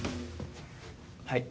はい。